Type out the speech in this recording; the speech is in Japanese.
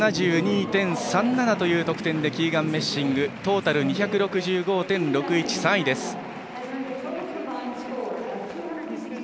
１７２．３７という得点でキーガン・メッシングトータル２６５．６１、３位です。